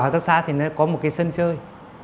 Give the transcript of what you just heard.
hợp tác xã thì nó có một cái sân chơi